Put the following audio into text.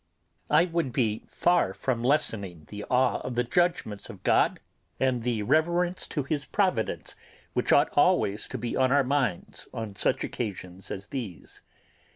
I would be far from lessening the awe of the judgements of God and the reverence to His providence which ought always to be on our minds on such occasions as these.